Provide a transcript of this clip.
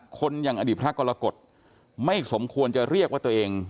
คนอย่างอดีตพระกรกฎไม่สมควรจะเรียกว่าตัวเอง